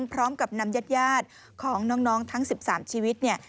พร้อมกับนำญาติยาติของน้องทั้ง๑๓ชีวิต